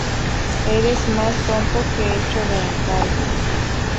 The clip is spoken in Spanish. Eres más tonto que hecho de encargo